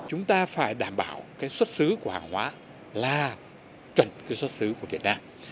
chúng ta phải đảm bảo cái xuất xứ của hàng hóa là chuẩn cái xuất xứ của việt nam